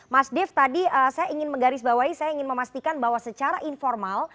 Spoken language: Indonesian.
mas dev tadi saya ingin menggarisbawahi saya ingin memastikan bahwa secara informal